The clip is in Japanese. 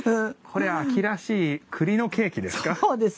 これは秋らしい栗のケーキですか。